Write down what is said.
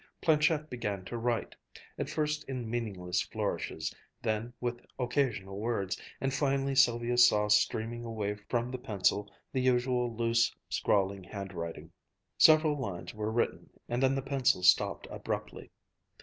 Planchette began to write at first in meaningless flourishes, then with occasional words, and finally Sylvia saw streaming away from the pencil the usual loose, scrawling handwriting. Several lines were written and then the pencil stopped abruptly.